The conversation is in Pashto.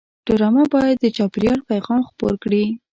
ډرامه باید د چاپېریال پیغام خپور کړي